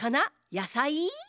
やさい？